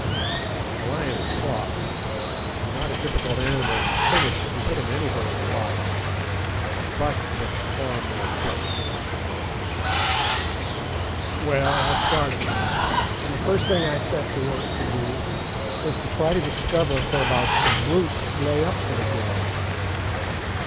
The lion is soft, and not a difficult animal to finish if you hit him anywhere in the body. A buck takes far more killing. "Well, I started, and the first thing I set to work to do was to try to discover whereabouts the brutes lay up for the day.